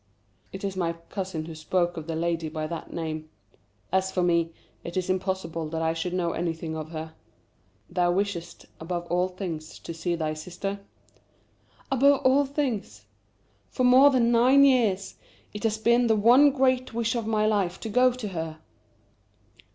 "It is my cousin who spoke of the lady by that name. As for me, it is impossible that I should know anything of her. Thou wishest above all things to see thy sister?" "Above all things. For more than nine years it has been the one great wish of my life to go to her."